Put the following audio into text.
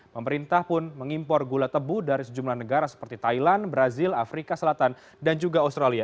pemerintah pun mengimpor gula tebu dari sejumlah negara seperti thailand brazil afrika selatan dan juga australia